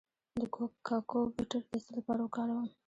د کوکو بټر د څه لپاره وکاروم؟